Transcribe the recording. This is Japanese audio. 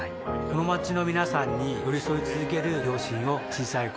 この街の皆さんに寄り添い続ける両親を小さい頃から見ていました